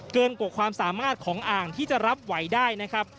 เกินกว่าความสามารถของอ่างที่จะรับไหวได้นะครับ